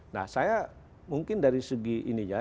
nah saya mungkin dari segi ini ya